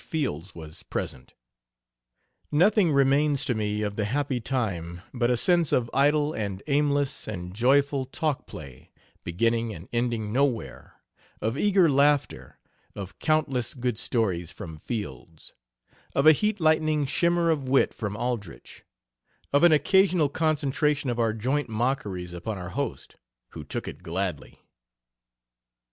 Fields was present "Nothing remains to me of the happy time but a sense of idle and aimless and joyful talk play, beginning and ending nowhere, of eager laughter, of countless good stories from Fields, of a heat lightning shimmer of wit from Aldrich, of an occasional concentration of our joint mockeries upon our host, who took it gladly."